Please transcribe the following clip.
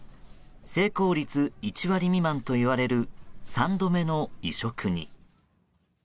成功率１割未満といわれる３度目の移植に。